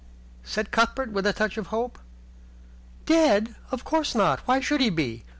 said Cuthbert, with a touch of hope. "Dead? Of course not. Why should he be?